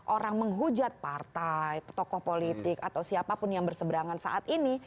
orang menghujat partai tokoh politik atau siapapun yang berseberangan saat ini